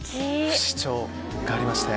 不死鳥がありまして。